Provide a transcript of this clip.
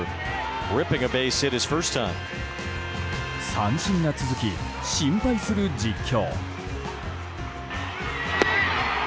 三振が続き、心配する実況。